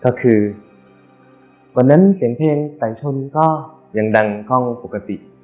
ก็คือวันนั้นเสียงเพลงสายชนก็ยังดังข้องปกติ